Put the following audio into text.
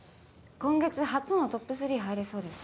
今月初のトップ３入れそうでさ。